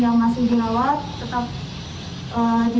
alhamdulillah hari ini